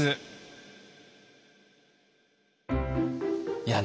いやね